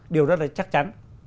điều đó là chắc chắn